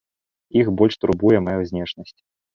Іх больш турбуе мая знешнасць.